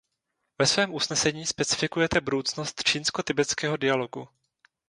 Ve svém usnesení specifikujete budoucnost čínsko-tibetského dialogu.